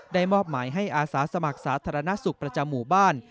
มอบหมายให้อาสาสมัครสาธารณสุขประจำหมู่บ้าน